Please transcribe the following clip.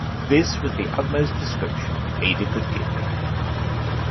This was the utmost description Ada could give me.